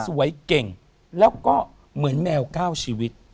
สวยเก่งแล้วก็เหมือนแมวก้าวชีวิต